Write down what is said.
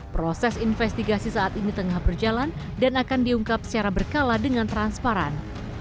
proses investigasi saat ini tengah berjalan dan akan diungkap secara berkala dengan transparan